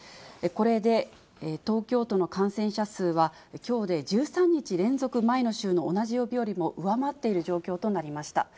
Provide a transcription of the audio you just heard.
これで東京都の感染者数は、きょうで１３日連続、前の週の同じ曜日よりも上回っている状況となりました。